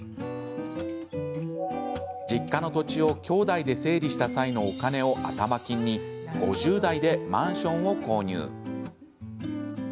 実家の土地をきょうだいで整理した際のお金を頭金に５０代でマンションを購入。